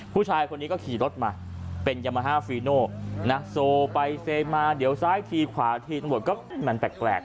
ผู้ชายคนนี้ก็ขี่รถมาเป็นยามาฮาฟีโน่นะโซไปเซมาเดี๋ยวซ้ายทีขวาทีตำรวจก็มันแปลก